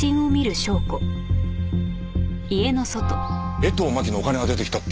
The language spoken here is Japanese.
江藤真紀のお金が出てきたって。